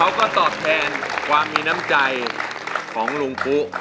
ตอบแทนความมีน้ำใจของลุงปุ๊